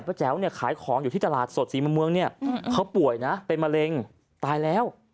แจ๋วเนี่ยขายของอยู่ที่ตลาดสดศรีมะเมืองเนี่ยเขาป่วยนะเป็นมะเร็งตายแล้ว